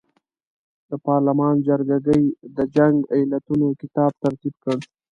د پارلمان جرګه ګۍ د جنګ علتونو کتاب ترتیب کړ.